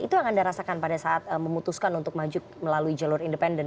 itu yang anda rasakan pada saat memutuskan untuk maju melalui jalur independen